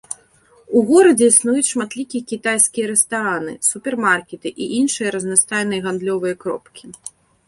У горадзе існуюць шматлікія кітайскія рэстараны, супермаркеты і іншыя разнастайныя гандлёвыя кропкі.